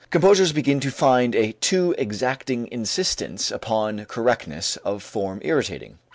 Composers begin to find a too exacting insistence upon correctness of form irritating.